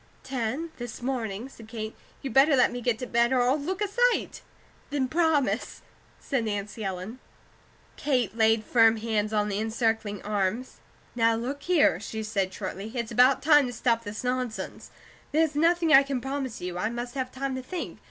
"Ten, this morning," said Kate. "You better let me get to bed, or I'll look a sight." "Then promise," said Nancy Ellen. Kate laid firm hands on the encircling arms. "Now, look here," she said, shortly, "it's about time to stop this nonsense. There's nothing I can promise you. I must have time to think.